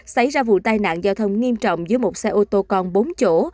xảy ra vụ tai nạn giao thông nghiêm trọng giữa một xe ô tô con bốn chỗ